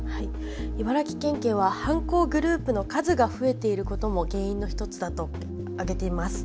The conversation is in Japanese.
茨城県警は犯行グループの数が増えていることも原因の１つだと挙げています。